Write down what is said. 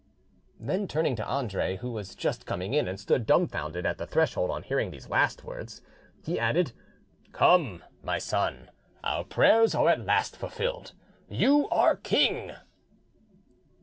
Then turning to Andre, who was just corning in and stood dumbfounded at the threshold on hearing the last words, he added— "Come, my son, our prayers are at last fulfilled: you are king."